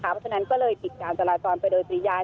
เพราะฉะนั้นก็เลยปิดการจราจรไปโดยปริยาย